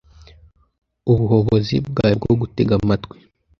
ubuhobozi bwawe bwo gutega amatwi